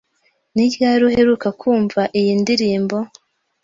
Ni ryari uheruka kumva iyi ndirimbo?